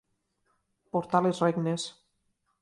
Portar les regnes.